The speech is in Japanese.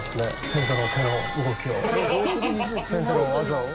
先生の手の動きを。